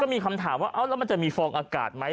มีคำถามว่าแล้วมันจะมีฟองอากาศไหม